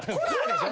でしょ？